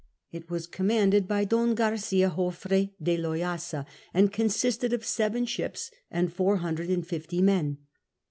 It was commanded by Don Garcia Jofre de Loyasa, and con sisted of seven shi|3s and four hundred and fifty men.